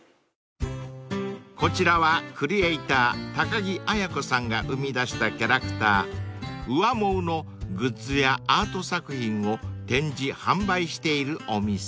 ［こちらはクリエーター高木綾子さんが生み出したキャラクターウアモウのグッズやアート作品を展示販売しているお店］